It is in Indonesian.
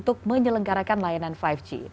telkomsel juga berjanji tarif layanan itu akan terjangkau